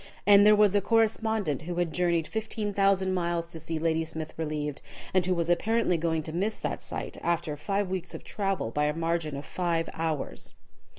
And there was a correspondent who had journeyed 15,000 miles to see Ladysmith relieved, and who was apparently going to miss that sight, after five weeks of travel, by a margin of five hours.